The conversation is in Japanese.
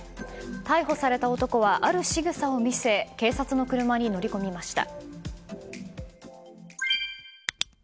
逮捕された男はあるしぐさを見せ警察の車に乗り込みました。